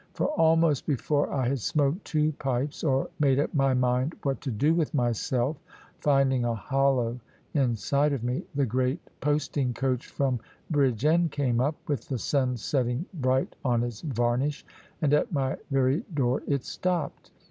For almost before I had smoked two pipes, or made up my mind what to do with myself, finding a hollow inside of me, the great posting coach from Bridgend came up, with the sun setting bright on its varnish, and at my very door it stopped.